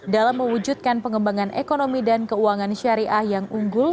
dalam mewujudkan pengembangan ekonomi dan keuangan syariah yang unggul